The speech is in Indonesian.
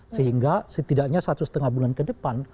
sehingga setidaknya satu setengah bulan ke depan